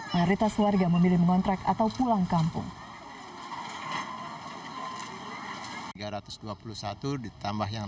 mayoritas warga memilih mengontrak atau pulang kampung